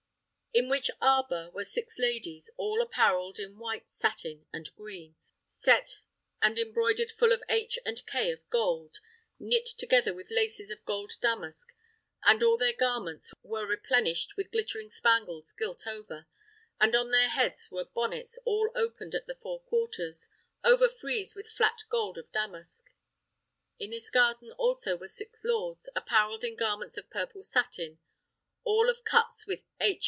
In which arbour were six ladies, all apparelled in white satin and green, set and embroidered full of H. and K. of gold, knit together with laces of gold of damask, and all their garments were replenished with glittering spangles gilt over; and on their heads were bonnets all opened at the four quarters, overfriezed with flat gold of damask. In this garden also were six lords, apparelled in garments of purple satin, all of cuts with H.